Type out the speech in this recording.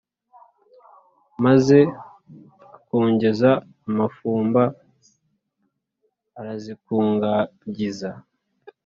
Maze akongeza amafumba arazikungagiza